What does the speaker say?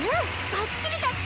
ばっちりだっちゃ！